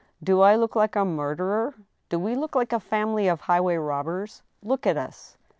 Do I look like a mur derer? Do we look like a family of highway' robbers? Look at us."